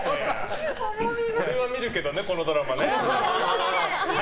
俺は見るけどね、このドラマ。